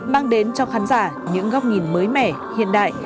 mang đến cho khán giả những góc nhìn mới mẻ hiện đại